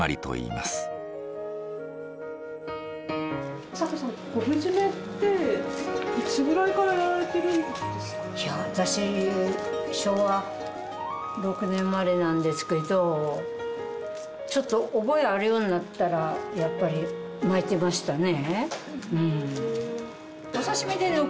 いや私昭和６年生まれなんですけどちょっと覚えあるようになったらやっぱり巻いてましたね。